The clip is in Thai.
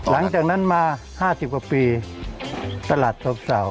หลังจากนั้นมา๕๐กว่าปีตลาดสาว